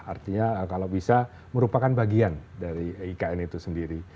artinya kalau bisa merupakan bagian dari ikn itu sendiri